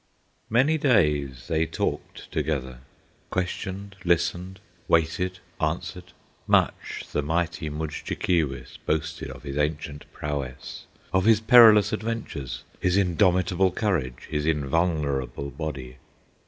Many days they talked together, Questioned, listened, waited, answered; Much the mighty Mudjekeewis Boasted of his ancient prowess, Of his perilous adventures, His indomitable courage, His invulnerable body.